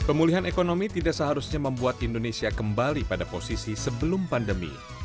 pemulihan ekonomi tidak seharusnya membuat indonesia kembali pada posisi sebelum pandemi